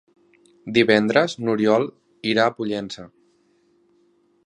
Divendres n'Oriol irà a Pollença.